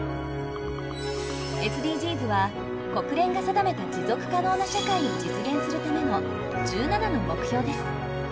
ＳＤＧｓは国連が定めた持続可能な社会を実現するための１７の目標です。